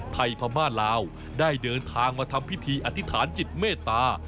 พม่าลาวได้เดินทางมาทำพิธีอธิษฐานจิตเมตตา